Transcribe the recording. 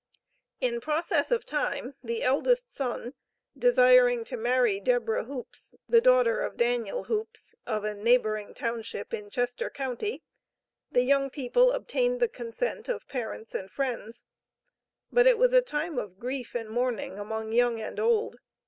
In process of time, the eldest son, desiring to marry Deborah Hoopes, the daughter of Daniel Hoopes, of a neighboring township in Chester county, the young people obtained the consent of parents and friends, but it was a time of grief and mourning among young and old.